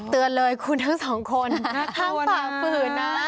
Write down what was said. เตือนเลยคุณทั้งสองคนเข้าฝ่าฝืนนะ